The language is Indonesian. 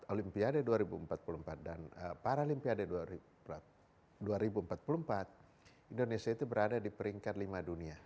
olimpiade dua ribu empat puluh empat dan paralimpiade dua ribu empat puluh empat indonesia itu berada di peringkat lima dunia